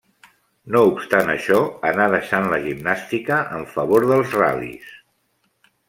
No obstant això, anà deixant la gimnàstica en favor dels ral·lis.